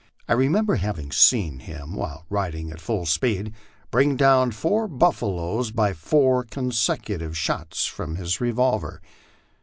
I re member having seen him, while riding at full speed, bring down four buffa loes by four consecutive shots from his revolver.